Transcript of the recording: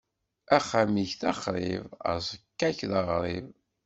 Axxam-ik d axṛib, aẓekka-k d aɣrib.